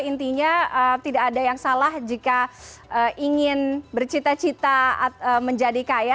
intinya tidak ada yang salah jika ingin bercita cita menjadi kaya